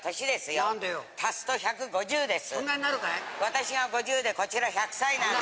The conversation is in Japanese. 私が５０でこちら１００歳なんです。